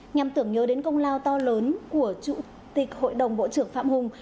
nhằm tưởng nhớ đến công lao to lớn của chủ tịch hội đồng bộ trưởng phạm hùng